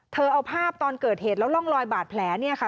เอาภาพตอนเกิดเหตุแล้วร่องรอยบาดแผลเนี่ยค่ะ